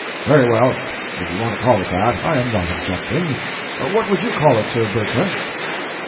"Very well, if you want to call it that, I am not objecting. What would you call it, Sir Bertrand?"